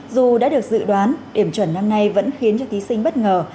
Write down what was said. dù đã được dự đoán điểm chuẩn năm nay vẫn khiến cho thí sinh bất ngờ